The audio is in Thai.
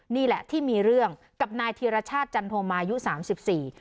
นี่แหละที่มีเรื่องกับนายธีรชาติจันโทมายุสามสิบสี่